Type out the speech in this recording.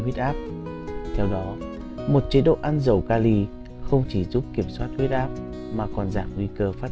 huyết áp theo đó một chế độ ăn dầu cali không chỉ giúp kiểm soát huyết áp mà còn giảm nguy cơ phát